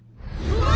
うわ！